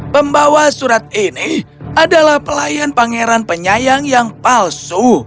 pembawa surat ini adalah pelayan pangeran penyayang yang palsu